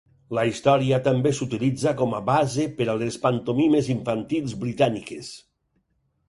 La història també s'utilitza com a base per a les pantomimes infantils britàniques.